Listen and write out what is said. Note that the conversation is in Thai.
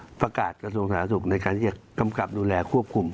มาฝากกล์าสกัญชาสุขในการเกี่ยวกับนโดนแหลควบคุม